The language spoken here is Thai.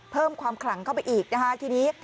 เพิ่มความขลังเข้าไปอีกนะคะทีนี้